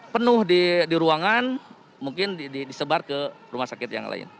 penuh di ruangan mungkin disebar ke rumah sakit yang lain